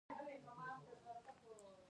د اضافي ارزښت د بیې یا قیمت په اړه پوهېږو